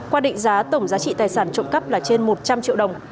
qua định giá tổng giá trị tài sản trộm cắp là trên một trăm linh triệu đồng